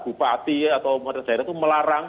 bupati atau pemerintah daerah itu melarang